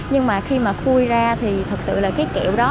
nhưng mà khi mà khui ra thì thật sự là cái kẹo đó